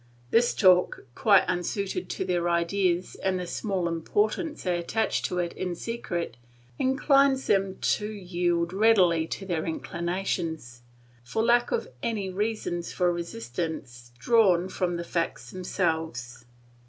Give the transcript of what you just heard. This talk, quite unsuited to their ideas and the small importance they attach to it in secret, inclines them to yield readily to their inclinations, for lack of any reasons for resistance drawn from the facts themselves.